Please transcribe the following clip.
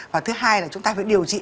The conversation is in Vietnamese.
và thứ hai là chúng ta phải điều trị